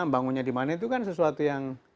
bangunnya dimana itu kan sesuatu yang